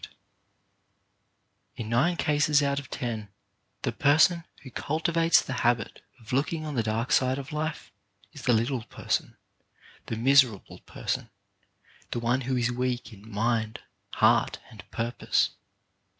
io CHARACTER BUILDING In nine cases out of ten, the person who culti vates the habit of looking on the dark side of life is the little person, the miserable person, the one who is weak in mind, heart and purpose.